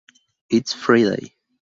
It's Friday!